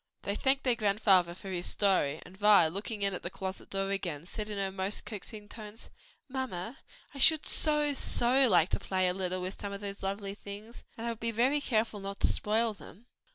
They thanked their grandfather for his story, and Vi looking in at the closet door again, said in her most coaxing tones, "Mamma, I should so, so like to play a little with some of those lovely things; and I would be very careful not to spoil them."